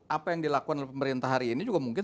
apa yang dilakukan oleh pemerintah hari ini